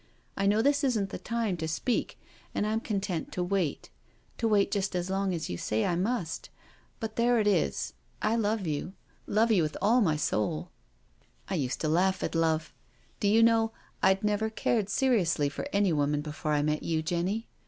I know this isn't the time to speak, and I'm content to wait — to wait just as long as you say I must. But there it is — I love you, love you with all my soul. I 170 NO SURRENDER used to laugh at love. Do you know, Td never cared seriously for any woman before I met you, Jenny?